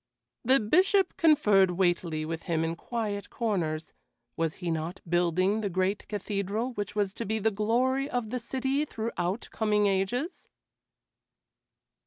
The Bishop conferred weightily with him in quiet corners; was he not building the great cathedral which was to be the glory of the city throughout coming ages?